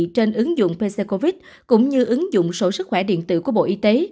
trên ứng dụng pc covid cũng như ứng dụng sổ sức khỏe điện tử của bộ y tế